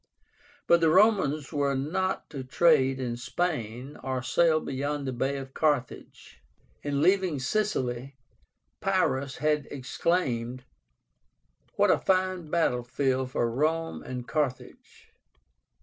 But the Romans were not to trade in Spain, or sail beyond the Bay of Carthage. In leaving Sicily, Pyrrhus had exclaimed, "What a fine battle field for Rome and Carthage!"